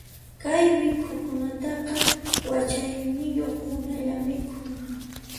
Kay mikhuykunataqa, yachayniyuq runalla mikhun.